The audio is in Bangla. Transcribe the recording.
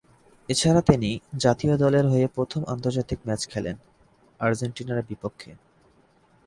এছাড়া তিনি জাতীয় দলের হয়ে প্রথম আন্তর্জাতিক ম্যাচ খেলেন আর্জেন্টিনার বিপক্ষে।